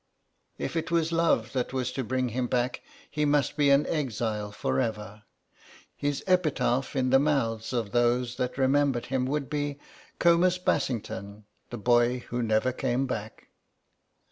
If it was love that was to bring him back he must be an exile for ever. His epitaph in the mouths of those that remembered him would be, Comus Bassington, the boy who never came back.